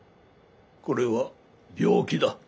これは病気だ。